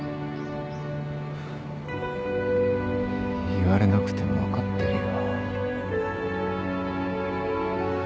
言われなくても分かってるよ。